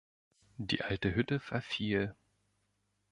Die alte Hütte verfiel.